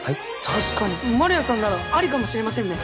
確かに丸谷さんならありかもしれませんね。